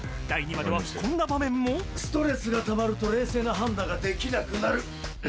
第２話ではこんな場面もストレスがたまると冷静な判断ができなくなる。